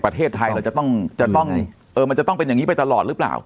ประเทศไทยเราจะต้องมันจะต้องเป็นอย่างนี้ไปตลอดหรือเปล่า